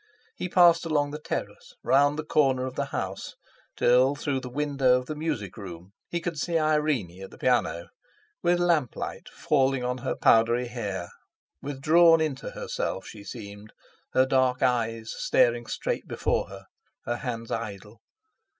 He passed along the terrace round the corner of the house, till, through the window of the music room, he could see Irene at the piano, with lamp light falling on her powdery hair; withdrawn into herself she seemed, her dark eyes staring straight before her, her hands idle.